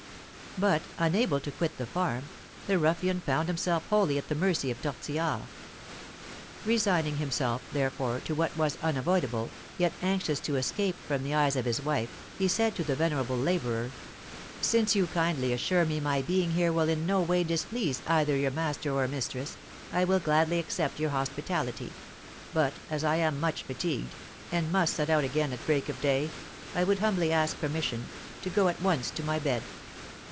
But, unable to quit the farm, the ruffian found himself wholly at the mercy of Tortillard. Resigning himself, therefore, to what was unavoidable, yet anxious to escape from the eyes of his wife, he said to the venerable labourer: "Since you kindly assure me my being here will in no way displease either your master or mistress, I will gladly accept your hospitality; but, as I am much fatigued, and must set out again at break of day, I would humbly ask permission to go at once to my bed."